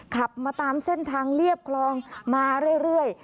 ขับมาตามเส้นทางเรียบคลองมาเรื่อย